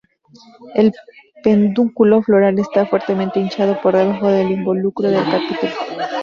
El pedúnculo floral está fuertemente hinchado por debajo del involucro del capítulo.